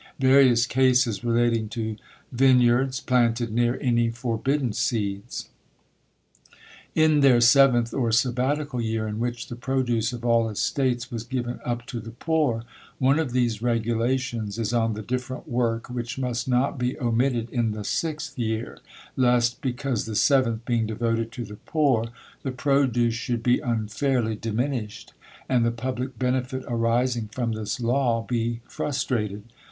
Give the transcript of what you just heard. Various cases relating to vineyards planted near any forbidden seeds. In their seventh, or sabbatical year, in which the produce of all estates was given up to the poor, one of these regulations is on the different work which must not be omitted in the sixth year, lest (because the seventh being devoted to the poor) the produce should be unfairly diminished, and the public benefit arising from this law be frustrated.